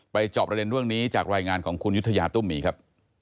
จอบประเด็นเรื่องนี้จากรายงานของคุณยุธยาตุ้มมีครับ